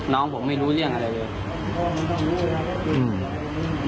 น้องผมไม่รู้เรื่องอะไรเลย